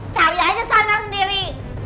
cari aja sana sendiri